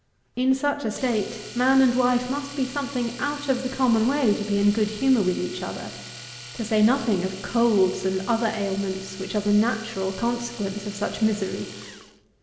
In such a state man and wife must be something out of the common way to be in good humour with each other, to say nothing of colds and other ailments which are the natural consequence of such misery.